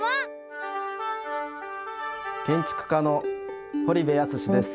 建築家の堀部安嗣です。